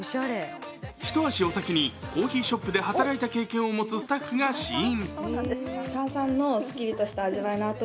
一足お先にコーヒーショップで働いた経験を持つスタッフが試飲。